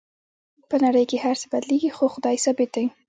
په نړۍ کې هر څه بدلیږي خو خدای ثابت دی